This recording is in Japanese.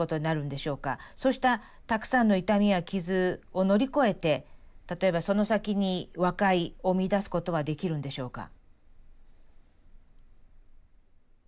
そうしたたくさんの痛みや傷を乗り越えて例えばその先に和解を見いだすことはできるんでしょうか？